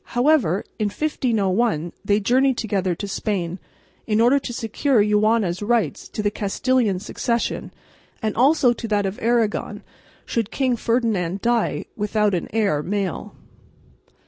However in 1501, they journeyed together to Spain, in order to secure Juana's rights to the Castilian succession and also to that of Aragon should King Ferdinand die without an heir male.